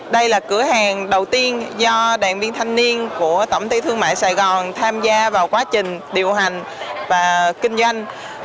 đây là cửa hàng đầu tiên do đoàn viên thanh niên của tổng ty thương mại sài gòn tham gia vào quá trình điều hành và kinh doanh